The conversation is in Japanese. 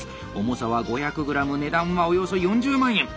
重さは５００グラム値段はおよそ４０万円！